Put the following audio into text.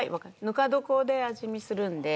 ぬか床で味見するんで。